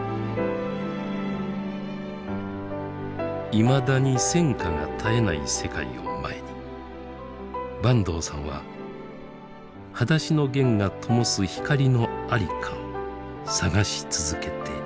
いまだに戦火が絶えない世界を前に坂東さんは「はだしのゲン」がともす光の在りかを探し続けています。